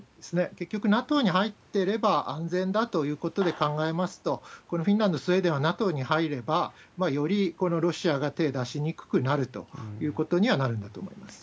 結局、ＮＡＴＯに入っていれば安全だということで考えますと、このフィンランド、スウェーデンはＮＡＴＯに入れば、よりロシアが手を出しにくくなるということになるんだと思います。